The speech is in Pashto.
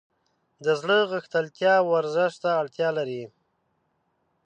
د زړه غښتلتیا ورزش ته اړتیا لري.